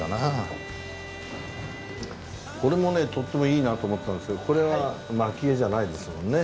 これもねとってもいいなと思ったんですけどこれは蒔絵じゃないですもんね。